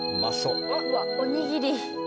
うわっおにぎり。